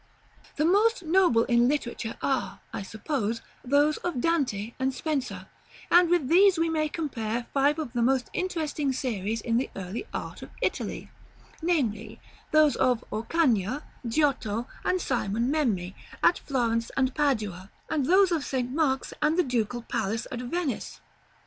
The most noble in literature are, I suppose, those of Dante and Spenser: and with these we may compare five of the most interesting series in the early art of Italy; namely, those of Orcagna, Giotto, and Simon Memmi, at Florence and Padua, and those of St. Mark's and the Ducal Palace at Venice.